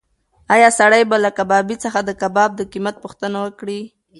ایا سړی به له کبابي څخه د کباب د قیمت پوښتنه وکړي؟